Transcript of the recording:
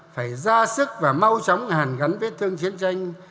phải ra sức và mau chóng hàn gắn với thương chiến tranh